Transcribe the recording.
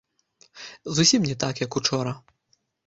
Зусім не так, як учора.